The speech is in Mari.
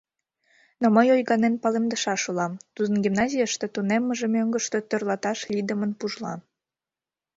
Но мый ойганен палемдышаш улам: тудын гимназийыште тунеммыже мӧҥгыштӧ тӧрлаташ лийдымын пужла.